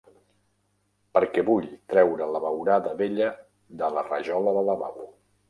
Perquè vull treure la beurada vella de la rajola del lavabo.